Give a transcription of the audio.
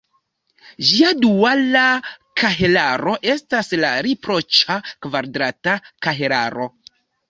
Ĝia duala kahelaro estas la riproĉa kvadrata kahelaro.